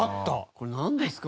これなんですか？